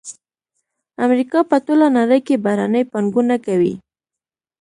امریکا په ټوله نړۍ کې بهرنۍ پانګونه کوي